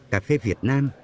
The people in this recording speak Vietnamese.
cà phê việt nam